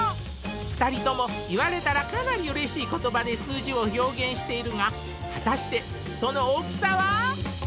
２人とも言われたらかなり嬉しい言葉で数字を表現しているが果たしてその大きさは？